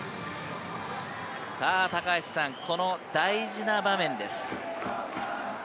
この大事な場面です。